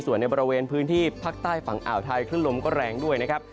ส่วนในบริเวณพื้นที่ภาคใต้ฝั่งอ่าวไทยขึ้นลมก็แรงด้วยนะครับ